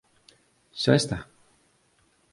Xa está?